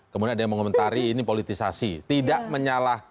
kami ingin mengucapkan pilots yang setia with a